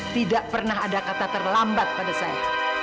tidak pernah ada kata terlambat pada saya